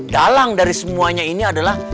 dalang dari semuanya ini adalah